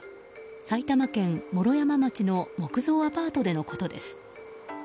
埼玉県毛呂山町の木造アパートでのことです。